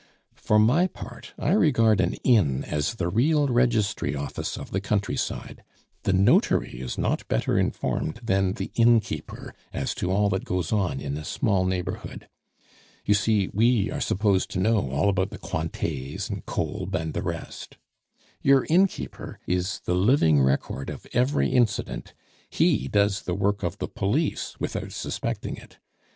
For my part, I regard an inn as the real registry office of the countryside; the notary is not better informed than the innkeeper as to all that goes on in a small neighborhood. You see! we are supposed to know all about the Cointets and Kolb and the rest. "Your innkeeper is the living record of every incident; he does the work of the police without suspecting it.